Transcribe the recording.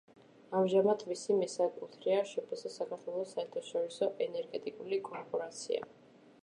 ამჟამად მისი მესაკუთრეა შპს „საქართველოს საერთაშორისო ენერგეტიკული კორპორაცია“.